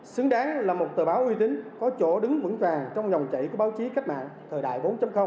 xứng đáng là một tờ báo uy tín có chỗ đứng vững vàng trong dòng chảy của báo chí cách mạng thời đại bốn